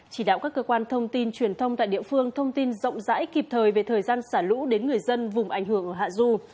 chỉ đạo các cơ quan thông tin truyền thông tại địa phương thông tin rộng rãi kịp thời về thời gian xả lũ đến người dân vùng ảnh hưởng ở hạ du